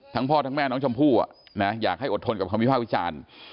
พ่อทั้งแม่น้องชมพู่อยากให้อดทนกับคำวิภาควิจารณ์